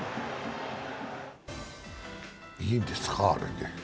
いいんですか、あれで。